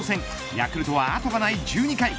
ヤクルトは後がない１２回。